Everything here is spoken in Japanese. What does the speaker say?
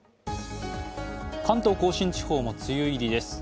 関東甲信地方も梅雨入りです。